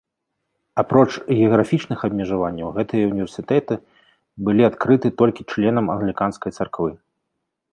Апроч геаграфічных абмежаванняў гэтыя ўніверсітэты былі адкрыты толькі членам англіканскай царквы.